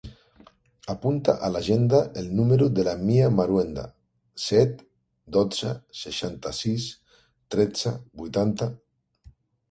Apunta a l'agenda el número de la Mia Marhuenda: set, dotze, seixanta-sis, tretze, vuitanta.